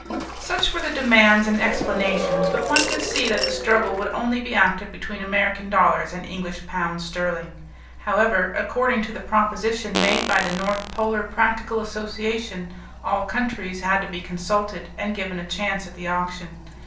Such were the demands and explanations, but one could see that the struggle would only be active between American dollars and English pounds sterling. However, according to the proposition made by the North Polar Practical Association all countries had to be consulted and given a chance at the auction.